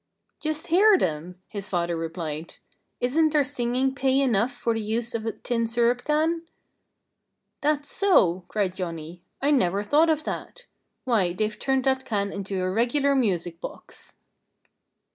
"Just hear them!" his father replied. "Isn't their singing pay enough for the use of a tin syrup can?" "That's so!" cried Johnnie. "I never thought of that. Why, they've turned that can into a regular music box!"